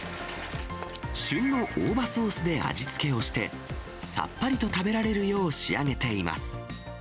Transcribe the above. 旬の大葉ソースで味付けをして、さっぱりと食べられるよう仕上げています。